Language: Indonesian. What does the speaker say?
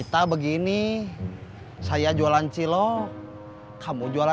nakon irgendwie semua sekalian sekali